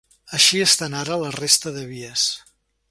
Així estan ara la resta de vies.